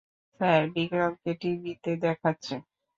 Sir, বিক্রমকে টিভিতে দেখাচ্ছে।